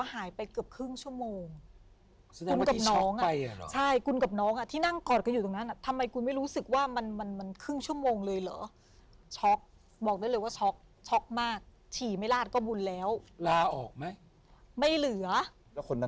เห็นทั้งคู่เลยหรออืม